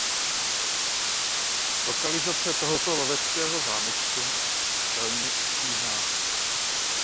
Lokalizace tohoto loveckého zámečku velmi obtížná.